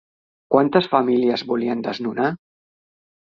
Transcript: Quantes famílies volien desnonar?